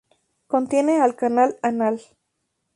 Contiene al canal anal.